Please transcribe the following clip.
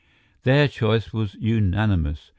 Their choice was unanimous.